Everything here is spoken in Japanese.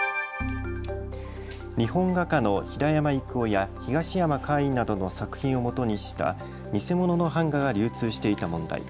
日本画家の平山郁夫や東山魁夷などの作品をもとにした偽物の版画が流通していた問題。